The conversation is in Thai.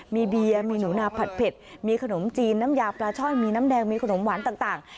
มีเบียร์มีหนูนาผัดเผ็ดมีขนมจีนน้ำยาปลาช่อยมีน้ำแดงมีขนมหวานต่าง